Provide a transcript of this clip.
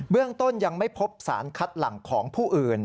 เรื่องต้นยังไม่พบสารคัดหลังของผู้อื่น